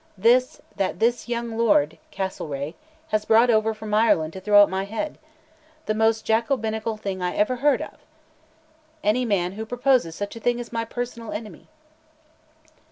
this, that this young Lord (Castlereagh) has brought over from Ireland to throw at my head? The most Jacobinical thing I ever heard of! Any man who proposes such a thing is my personal enemy."